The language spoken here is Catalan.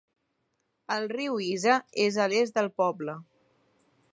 El riu Ise és a l'est del poble.